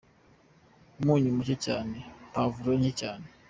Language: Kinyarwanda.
Umunyu muke cyane, puwavuro nke cyane.